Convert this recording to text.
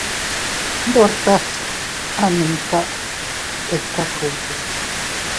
Ndorkas a numka tika kugbi.